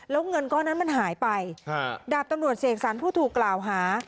แล้วเงินก้อนนั้นมันหายไปดาบตำรวจเสกสรรผู้ถูกกล่าวหา